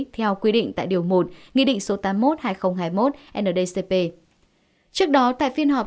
trước đó tại phiên họp